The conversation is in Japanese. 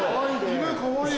犬かわいいね。